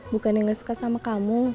bukannya gak suka sama kamu